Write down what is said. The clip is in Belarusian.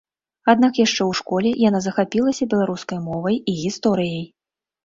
Аднак яшчэ ў школе яна захапілася беларускай мовай і гісторыяй.